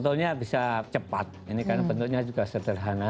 sepuluhnya bisa cepat ini kan probably juga sederhana